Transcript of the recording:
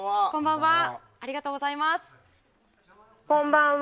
こんばんは。